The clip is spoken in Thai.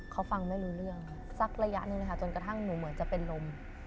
เขาฟังไม่รู้เรื่องสักระยะหนึ่งนะคะจนกระทั่งหนูเหมือนจะเป็นลม